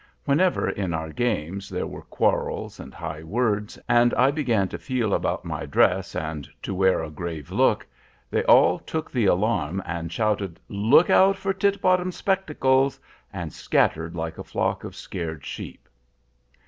Whenever, in our games, there were quarrels and high words, and I began to feel about my dress and to wear a grave look, they all took the alarm, and shouted, 'Look out for Titbottom's spectacles,' and scattered like a flock of scared sheep.